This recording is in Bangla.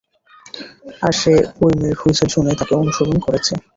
আর সে ওই মেয়ের হুঁইসেল শুনে তাকে অনুসরণ করছে।